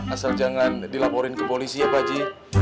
asal jangan dilaporin ke polisi ya pak haji